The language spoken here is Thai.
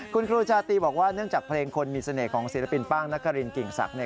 คุณครูชาตรีบอกว่าเนื่องจากเพลงคนมีเสน่ห์ของศิลปินป้างนครินกิ่งศักดิ์